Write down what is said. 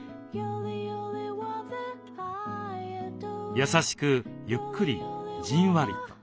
優しくゆっくりじんわりと。